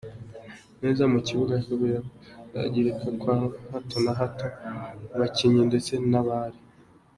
neza mu kibuga kubera guhuzagurika kwa hato na hato mu bakinnyi ndetse nabari.